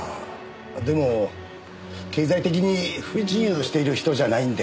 でも経済的に不自由している人じゃないんで。